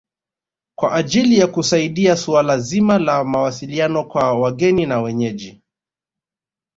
Kwa ajili ya kusaidia suala zima la mawasiliano kwa wageni na wenyeji